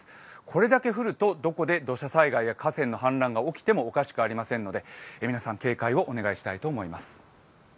これだけ降るとどこで土砂災害や河川の氾濫が起きてもおかしくありませんので皆さん、警戒をお願いしたいと思います。